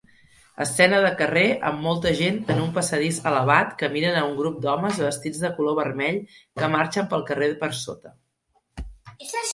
Escena de carrer amb molta gent en un passadís elevat que miren a un grup d'homes vestits de color vermell que marxen pel carrer per sota